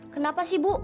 kenapa sih bu